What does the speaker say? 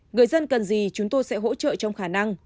người dân cần gì chúng tôi sẽ hỗ trợ trong khả năng